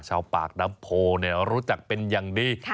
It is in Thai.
ชาวปากน้ำโพรู้จักเป็นอย่างดี